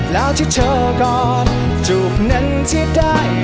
แล้วที่เธอกอบอุ่นไอที่ได้